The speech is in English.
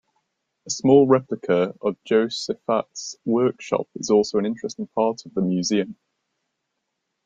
A small replica of Josafat's workshop is also an interesting part of the museum.